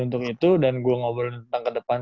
untuk itu dan gue ngobrolin tentang ke depan